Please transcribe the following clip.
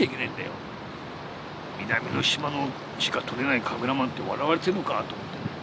南の島しか撮れないカメラマンと笑われてるのかぁと思って。